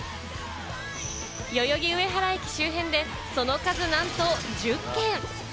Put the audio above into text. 代々木上原駅周辺で、その数、なんと１０軒！